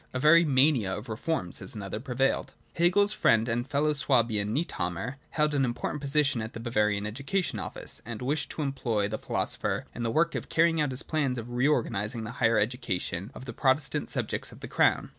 A very mania of reform, says another, prevailed. Hegel's friend and fellow Swabian, Niethammer, held an important position in the Bavarian education office, and wished to employ the philosopher in the work of carrying out his plans of re organising the higher edu cation of the Protestant subjects of the crown.